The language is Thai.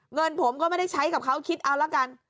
เงินผมก็ไม่ได้ใช้กับเขาคิดเอาละกัน